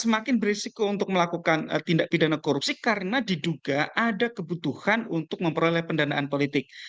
semakin berisiko untuk melakukan tindak pidana korupsi karena diduga ada kebutuhan untuk memperoleh pendanaan politik